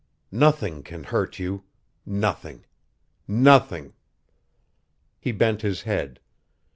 "Nothing can hurt you. Nothing nothing " He bent his head.